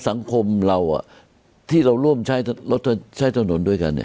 สังคมเราอ่ะที่เราร่วมใช้รถทนใช้ถนนด้วยกันเนี่ย